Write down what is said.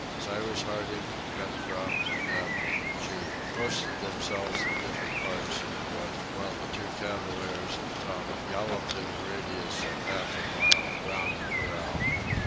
Cyrus Harding, Pencroft, Neb, and Jup, posted themselves in different parts of the wood, while the two cavaliers and Top galloped in a radius of half a mile round the corral.